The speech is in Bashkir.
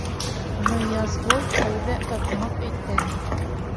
Ныязғол тәүҙә ыҡ-мыҡ итә: